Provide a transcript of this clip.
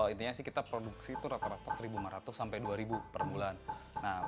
intinya sih kita produksi itu rata rata rp satu lima ratus sampai rp dua per bulan